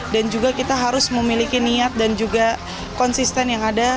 dan juga kita harus memiliki niat dan juga konsisten yang ada